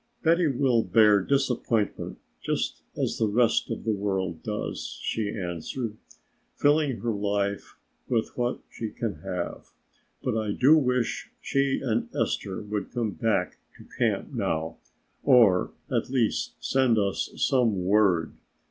"Betty will bear disappointment just as the rest of the world does," she answered, "filling her life with what she can have. But I do wish she and Esther would come back to camp now, or at least send us some word.